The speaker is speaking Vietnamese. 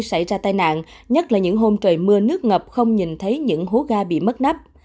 xảy ra tai nạn nhất là những hôm trời mưa nước ngập không nhìn thấy những hố ga bị mất nắp